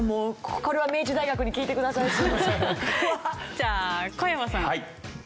じゃあ小山さん。